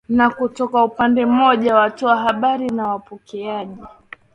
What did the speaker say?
Na kutoka upande mmoja watoa habari na wapokeaji